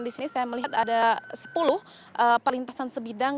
disini saya melihat ada sepuluh perlintasan sebidang